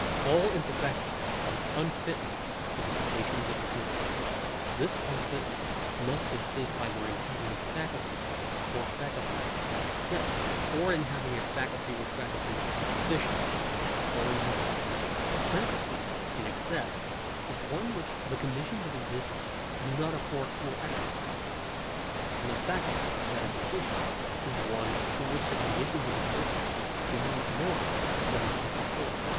All imperfection is unfitness to the conditions of existence. This unfitness must consist either in having a faculty or faculties in excess ; or in having a faculty or faculties deficient ; or in both. A faculty in excess, is one which the conditions of existence do not afford full exercise to ; and a faculty that is deficient, is one from which the conditions of existence demand more than it can perform.